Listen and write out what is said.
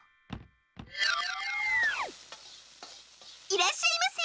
いらっしゃいませ！